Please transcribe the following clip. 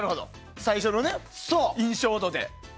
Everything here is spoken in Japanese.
最初の印象で。